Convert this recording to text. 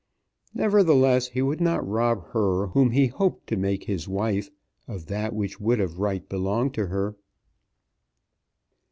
Nevertheless he would not rob her whom he hoped to make his wife of that which would of right belong to her.